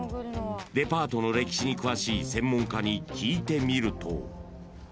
［デパートの歴史に詳しい専門家に聞いてみると］